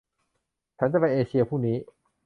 ฉันจะไปเอเชียพรุ่งนี้